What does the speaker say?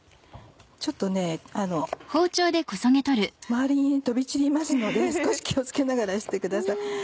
ちょっと周りに飛び散りますので少し気を付けながらしてください。